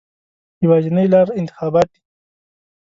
یوازینۍ لاره انتخابات دي.